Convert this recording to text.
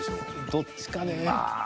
どっちかねぇ。